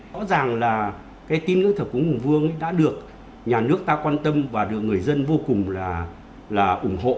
rõ ràng là tín ngưỡng thờ cúng khủng vương đã được nhà nước ta quan tâm và được người dân vô cùng ủng hộ